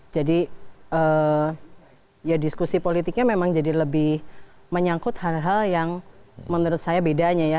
jadi ya diskusi politiknya memang jadi lebih menyangkut hal hal yang menurut saya bedanya ya